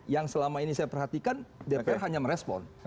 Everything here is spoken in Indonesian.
yang selama ini saya perhatikan dpr hanya merespon